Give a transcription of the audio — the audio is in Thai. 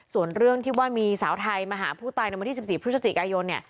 ส่วนเรื่องที่ว่ามีสาวไทยมาหาผู้ตายในวันที่๑๔พฤศจิกายน